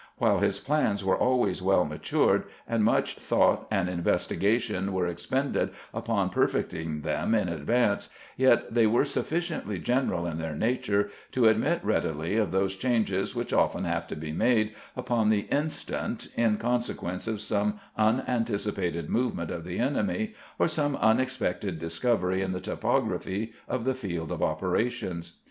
While his plans were always well matured, and much thought and investiga tion were expended upon perfecting them in advance, yet they were sufficiently general in their nature to admit readily of those changes which often have to be made upon the instant in conse'quence of some unanti cipated movement of the enemy, or some unexpected discovery in the topography of the field of operations.